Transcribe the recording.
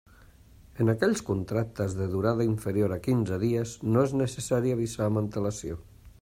En aquells contractes de durada inferior a quinze dies no és necessari avisar amb antelació.